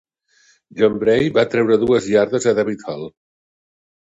John Bray va treure dues iardes a David Hall.